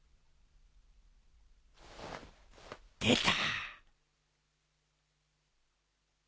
出た！